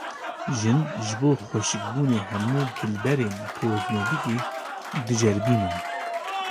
Jin, ji bo xweşikbûnê hemû hilberên kozmetîkê diceribînin